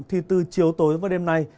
thì từ chiều tối đến vào đêm nay